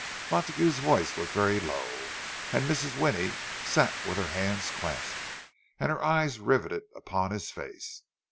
Montague's voice was very low; and Mrs. Winnie sat with her hands clasped, and her eyes riveted upon his face.